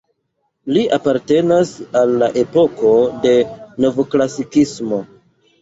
Li apartenas al la epoko de novklasikismo.